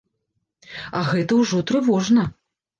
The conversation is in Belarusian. А гэта ўжо трывожна.